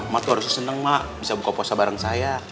mak tuh harusnya seneng mak bisa buka puasa bareng saya